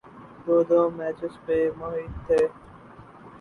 دو دو میچز پہ محیط تھیں۔